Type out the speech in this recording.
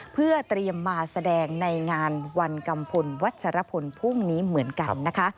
เพื่อเตรียมมาแสดงในงานวันกัมพลวัชรพลพรุ่งนี้เหมือนกันนะคะ